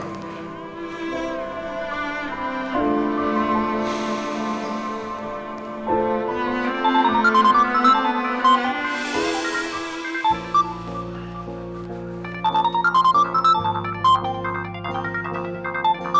tepat iya ada